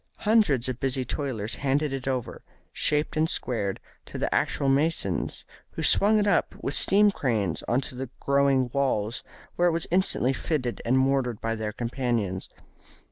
Hundreds of busy toilers handed it over, shaped and squared, to the actual masons, who swung it up with steam cranes on to the growing walls, where it was instantly fitted and mortared by their companions.